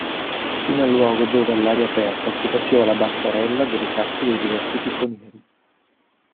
Fino al luogo dove all'aria aperta si faceva la basterella delle casse dei diversi picconieri.